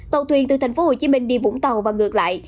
tàu thuyền từ thành phố hồ chí minh đi vũng tàu và ngược lại